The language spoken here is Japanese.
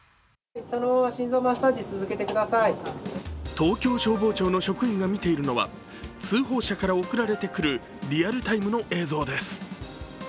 東京消防庁の職員が見ているのは通報者から送られてくるリアルタイムの映像です。